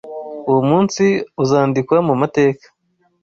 Uwo munsi uzandikwa mumateka.